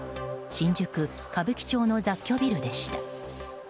新宿・歌舞伎町の雑居ビルでした。